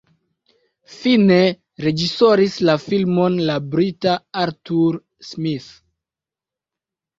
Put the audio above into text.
Fine reĝisoris la filmon la brita Arthur Smith.